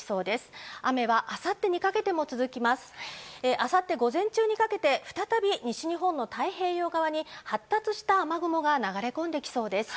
あさって午前中にかけて再び西日本の太平洋側に発達した雨雲が流れ込んできそうです。